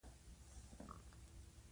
هر ماشوم حق لري چې ښوونځي ته ولاړ شي.